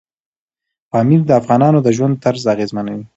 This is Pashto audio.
پامیر د افغانانو د ژوند طرز اغېزمنوي.